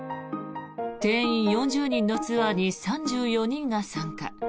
定員４０人のツアーに３４人が参加。